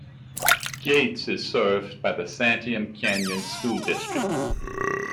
Gates is served by the Santiam Canyon School District.